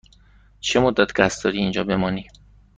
چه مدت قصد داری اینجا بمانی؟